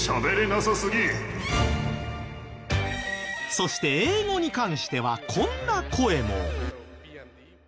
そして英語に関してはこんな声も。